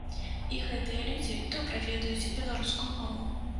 І гэтыя людзі добра ведаюць беларускую мову.